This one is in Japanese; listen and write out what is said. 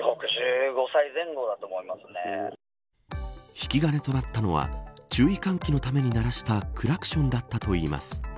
引き金となったのは注意喚起のために鳴らしたクラクションだったといいます。